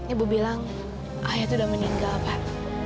ibu bilang ayah itu udah meninggal pak